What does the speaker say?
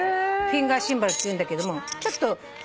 フィンガーシンバルって言うんだけども。